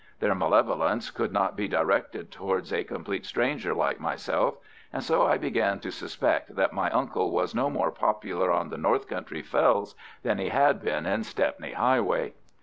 Their malevolence could not be directed towards a complete stranger like myself, and so I began to suspect that my uncle was no more popular on the north country fells than he had been in Stepney Highway.